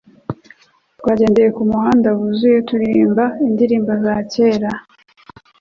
Twagendeye kumuhanda wuzuye turirimba indirimbo za kera